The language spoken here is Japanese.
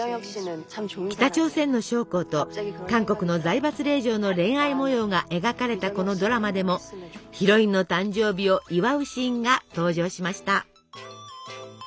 北朝鮮の将校と韓国の財閥令嬢の恋愛模様が描かれたこのドラマでもヒロインの誕生日を祝うシーンが登場しました。